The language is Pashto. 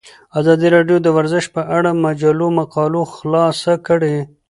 ازادي راډیو د ورزش په اړه د مجلو مقالو خلاصه کړې.